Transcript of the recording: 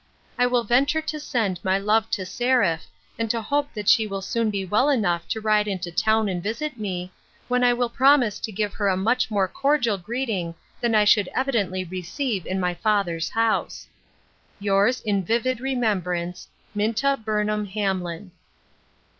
I will venture to send my love to Seraph, and to hope that she will soon be well enough to ride into town and visit me, when I will promise to give her a much more cordial greeting than I should evidently receive in my father's house. Yours, in vivid remembrance, Minta Burnham Hamlin.